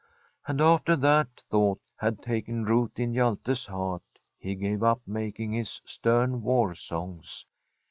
And after that thought had taken root in Hjalte's heart he gave up making his stem war songs.